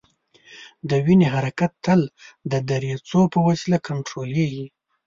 د وینې حرکت تل د دریڅو په وسیله کنترولیږي.